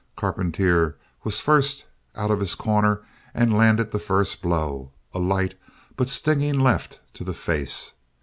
Carpentier was first out of his corner and landed the first blow, a light but stinging left to the face.